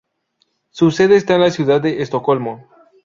Su sede está en la ciudad de Estocolmo.